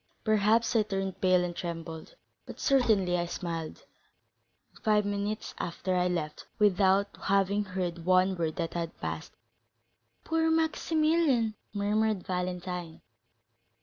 Perhaps I turned pale and trembled, but certainly I smiled; and five minutes after I left, without having heard one word that had passed." "Poor Maximilian!" murmured Valentine.